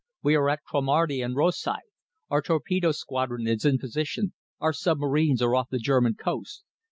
We are at Cromarty and Rosyth. Our torpedo squadron is in position, our submarines are off the German coast.